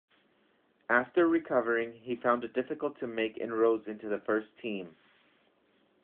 After recovering, he found it difficult to make inroads into the first team.